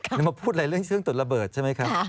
หรือมาพูดอะไรเรื่องเครื่องตรวจระเบิดใช่ไหมครับ